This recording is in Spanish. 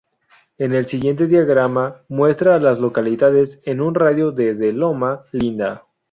El siguiente diagrama muestra a las localidades en un radio de de Loma Linda.